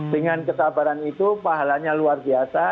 dengan kesabaran itu pahalanya luar biasa